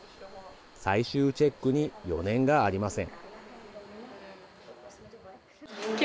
最終チェックに余念がありません。